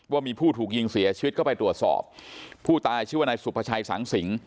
ว่ามีผู้ถูกยิงเสียชีวิตก็ไปตรวจสอบผู้ตายชื่อว่านายสุภาชัยสังสิง